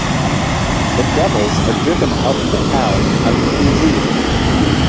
The devils are driven out of the towns on New Year's Eve.